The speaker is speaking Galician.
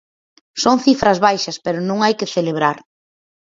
Son cifras baixas pero que non hai que celebrar.